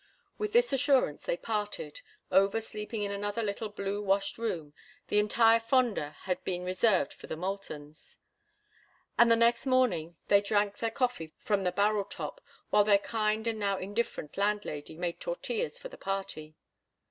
With this assurance they parted, Over sleeping in another little blue washed room—the entire fonda had been reserved for the Moultons—and the next morning they drank their coffee from the barrel top, while their kind and now indifferent landlady made tortillas for the party.